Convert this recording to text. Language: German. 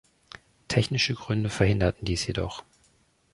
Technische Gründe verhinderten dies jedoch.